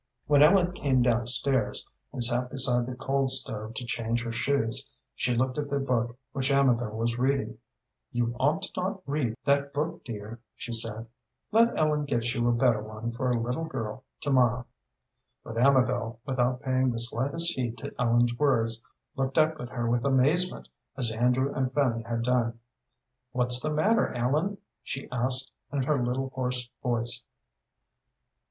When Ellen came down stairs, and sat beside the coal stove to change her shoes, she looked at the book which Amabel was reading. "You ought not to read that book, dear," she said. "Let Ellen get you a better one for a little girl to morrow." But Amabel, without paying the slightest heed to Ellen's words, looked up at her with amazement, as Andrew and Fanny had done. "What's the matter, Ellen?" she asked, in her little, hoarse voice.